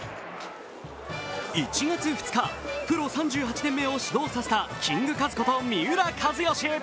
１月２日、プロ３８年目を指導させたキングカズこと三浦知良。